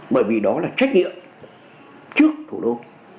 bởi vì đó là trách nhiệm trước thủ đô